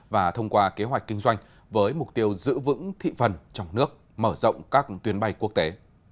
và thông qua kế hoạch kinh doanh với mục tiêu giữ vững thị phần trong nước mở rộng các tuyến bay quốc tế